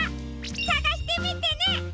さがしてみてね！